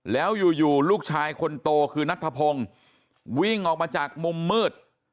แล้วอยู่ลูกชายคนโตคือนัทธพงศ์วิ่งออกมาจากมุมมืด